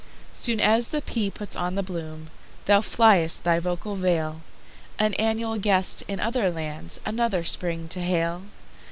Soon as the pea puts on the bloom, Thou fly'st thy vocal vale, An annual guest, in other lands, Another Spring to hail.